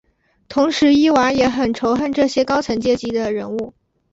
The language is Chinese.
同时伊娃也很仇恨这些高层阶级的人物。